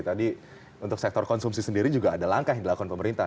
tadi untuk sektor konsumsi sendiri juga ada langkah yang dilakukan pemerintah